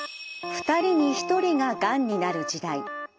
２人に１人ががんになる時代。